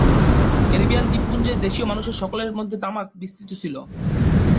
Caribbean দ্বীপপুঞ্জের দেশীয় মানুষের সকলের মধ্যে তামাক বিস্তৃত ছিল।